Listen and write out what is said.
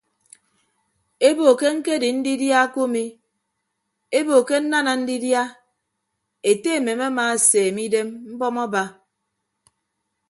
Ebo ke ñkedi ndidia kumi ebo ke nnana ndidia ete emem amaaseeme idem mbọm aba.